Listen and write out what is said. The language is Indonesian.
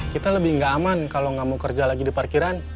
kita lebih nggak aman kalau nggak mau kerja lagi di parkiran